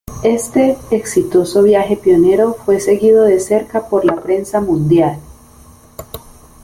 Este exitoso viaje pionero fue seguido de cerca por la prensa mundial.